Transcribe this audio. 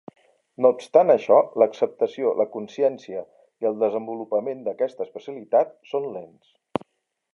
No obstant això, l'acceptació, la consciència i el desenvolupament d'aquesta especialitat són lents.